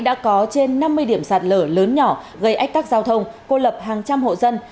đã có trên năm mươi điểm sạt lở lớn nhỏ gây ách tắc giao thông cô lập hàng trăm hộ dân